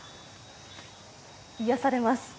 癒やされます。